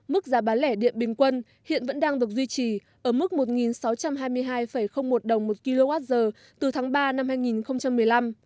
mức giá bán lẻ điện bình quân hiện vẫn đang được duy trì ở mức một sáu trăm hai mươi hai một đồng một kwh từ tháng ba năm hai nghìn một mươi năm